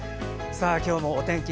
今日もお天気